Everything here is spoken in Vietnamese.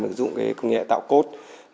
ứng dụng công nghệ tạo cốt